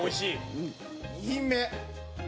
２品目！